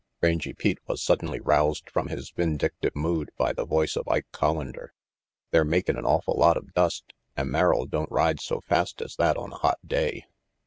Rangy Pete was suddenly roused from his vin dictive mood by the voice of Ike Collander. "They're makin' an awful lot of dust, an' Merrill don't ride so fast as that on a hot day."